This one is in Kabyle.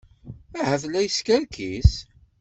Ahat la yeskerkis.